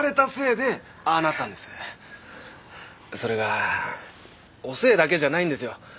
それがおせいだけじゃないんですよ